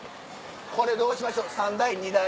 これどうしましょ３台？